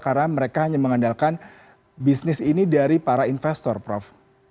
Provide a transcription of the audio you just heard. karena mereka hanya mengandalkan bisnis ini dari para investor prof